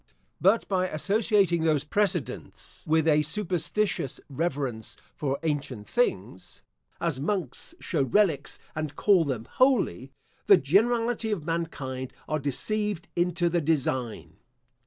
But by associating those precedents with a superstitious reverence for ancient things, as monks show relics and call them holy, the generality of mankind are deceived into the design.